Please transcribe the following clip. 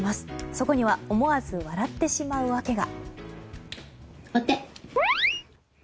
そこには思わず笑ってしまう訳が。